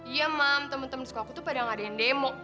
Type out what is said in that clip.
iya mam temen temen sekolah aku tuh pada ngadain demo